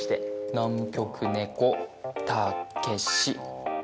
南極猫たけし。